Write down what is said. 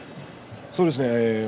そうですね。